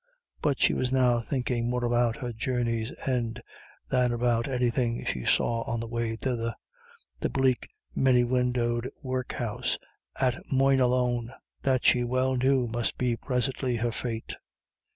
But she was now thinking more about her journey's end than about anything she saw on the way thither the bleak many windowed workhouse at Moynalone that she well knew must be presently her fate.